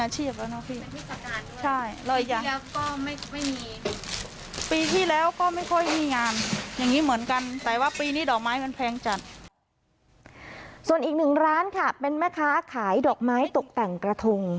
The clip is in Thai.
ส่วนอีกหนึ่งร้านค่ะเป็นแม่ค้าขายดอกไม้ตกแต่งกระทง